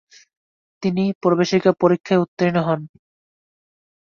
তিনি প্রবেশিকা পরীক্ষায় উত্তীর্ণ হন।